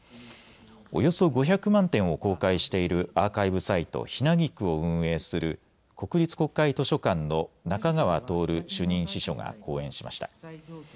およそ５００万点を公開しているアーカイブサイトひなぎくを運営する国立国会図書館の中川透主任司書が講演しました。